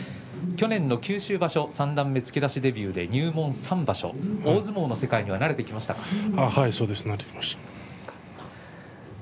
去年の九州場所三段目付け出しデビューで入門３場所大相撲の世界に慣れてきましたか。